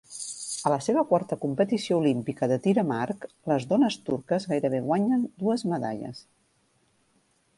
A la seva quarta competició olímpica de tir amb arc, les dones turques gairebé guanyen dues medalles.